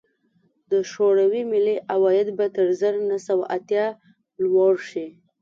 د شوروي ملي عواید به تر زر نه سوه څلور اتیا لوړ شي